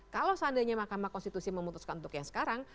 kalau seandainya mahkamah konstitusi memutuskan untuk yang sekarang